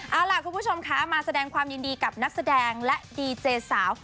เอาล่ะคุณผู้ชมคะมาแสดงความยินดีกับนักแสดงและดีเจสาว